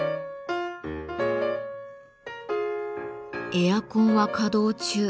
エアコンは稼働中。